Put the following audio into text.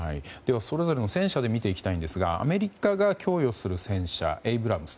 それぞれの戦車で見ていきたいんですがアメリカが供与する戦車のエイブラムス。